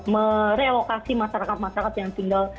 merelokasi masyarakat masyarakat yang tinggal